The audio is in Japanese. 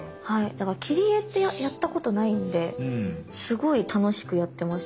だから切り絵ってやったことないんですごい楽しくやってます。